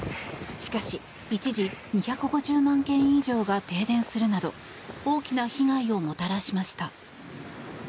しかし、一時２５０万軒以上が停電するなど大きな被害をもたらしました。